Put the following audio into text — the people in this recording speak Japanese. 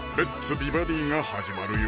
美バディ」が始まるよ